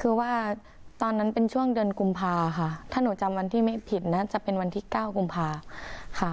คือว่าตอนนั้นเป็นช่วงเดือนกุมภาค่ะถ้าหนูจำวันที่ไม่ผิดน่าจะเป็นวันที่๙กุมภาค่ะ